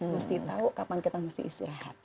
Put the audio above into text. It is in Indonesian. mesti tahu kapan kita mesti istirahat